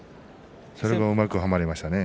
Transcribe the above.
それがうまく、はまりましたね。